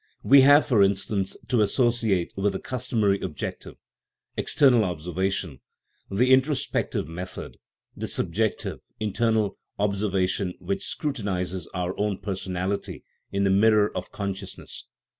We have, for instance, to associate with the customary objective, external observation, the introspective method, the subjective, internal observation which scrutinizes our own personality in the mirror of consciousness.